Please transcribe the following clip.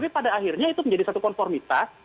tapi pada akhirnya itu menjadi satu konformitas